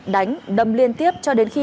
đánh đâm liên tiếp cho đến khi